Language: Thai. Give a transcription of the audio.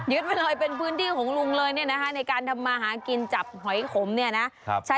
ยึดโดยเป็นพื้นที่ของลุงเลยในการทำอาหารกินจับหอยขมเนี้ยนะ